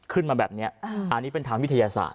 ขึ้นมาแบบนี้อันนี้เป็นทางวิทยาศาสต